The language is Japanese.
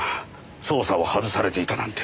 捜査を外されていたなんて。